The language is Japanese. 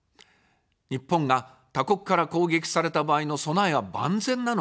日本が他国から攻撃された場合の備えは万全なのか。